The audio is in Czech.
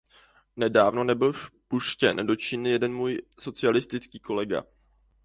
Nedávno nebyl vpuštěn do Číny jeden můj socialistický kolega.